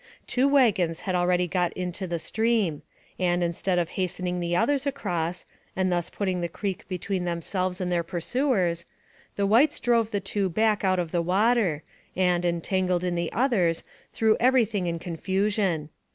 Two wagons had already got into the stream, and, instead of hastening the others across, and thus put ting the creek between themselves and their pursuers, the whites drove the two back out of the water, and, entangled in the others, threw every thing in confu sion.